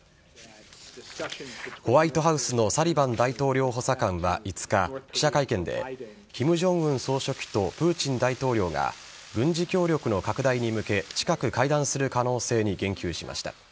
ホワイトハウスのサリバン大統領補佐官は５日記者会見で金正恩総書記とプーチン大統領が軍事協力の拡大に向け近く会談する可能性に言及しました。